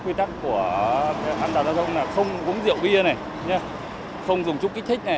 quy tắc của án đào giao thông là không uống rượu bia không dùng chút kích thích